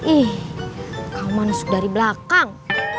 ih kamu manusuk dari belakang